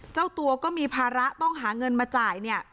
เจ้าตัวก็มีภาระต้องหาเงินมาจ่ายเนี่ย